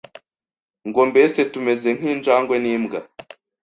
ngo mbese tumeze nk'injangwe n'imbwa